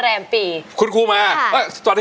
ขาหนูหนีบไว้